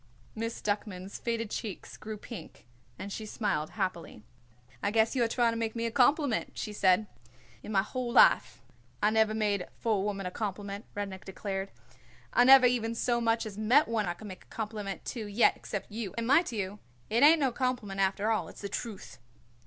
Miss Duckman's faded cheeks grew pink and she smiled happily. "I guess you are trying to make me a compliment," she said. "In my whole life I never made for a woman a compliment," Rudnik declared. "I never even so much as met one I could make a compliment to yet except you, and mit you it ain't no compliment, after all. It's the truth."